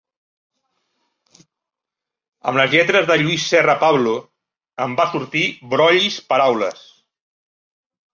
Amb les lletres de Lluís Serra Pablo em va sortir Brollis Paraules.